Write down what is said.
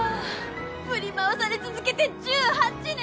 振り回され続けて１８年！